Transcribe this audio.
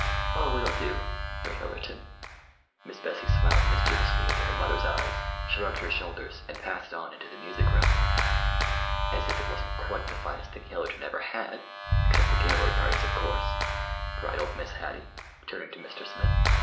"Oh, it'll do—for Hillerton." Miss Bessie smiled mischievously into her mother's eyes, shrugged her shoulders, and passed on into the music room. "As if it wasn't quite the finest thing Hillerton ever had—except the Gaylord parties, of course," bridled Mrs. Hattie, turning to Mr. Smith.